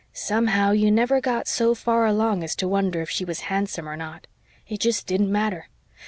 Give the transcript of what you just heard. "Somehow, you never got so far along as to wonder if she was handsome or not. It jest didn't matter.